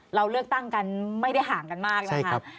เราเลือกตั้งกันไม่ได้ห่างกันมากนะครับ